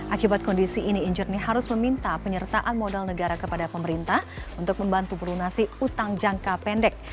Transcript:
akibat kondisi ini injernie harus meminta penyertaan modal negara kepada pemerintah untuk membantu melunasi utang jangka pendek